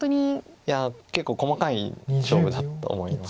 いや結構細かい勝負だと思います。